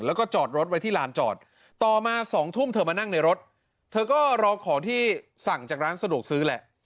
แล้วก็จอดรถไว้ที่ลานจอดต่อมา๒ทุ่มเธอมานั่งในรถเธอก็รอของที่สั่งจากร้านสะดวกซื้อแหละ